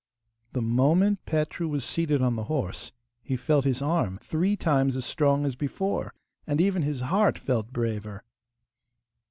The moment Petru was seated on the horse he felt his arm three times as strong as before, and even his heart felt braver.